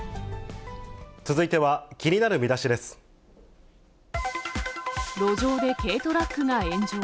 続いては、気になるミダシで路上で軽トラックが炎上。